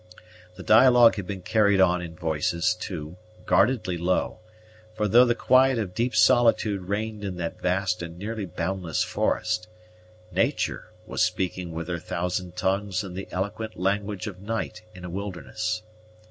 The dialogue had been carried on in voices, too, guardedly low; for though the quiet of deep solitude reigned in that vast and nearly boundless forest, nature was speaking with her thousand tongues in the eloquent language of night in a wilderness.